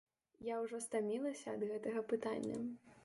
Я ўжо стамілася ад гэтага пытання.